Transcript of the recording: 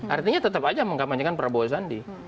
artinya tetap aja mengkampanyekan prabowo sandi